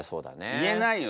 言えないよ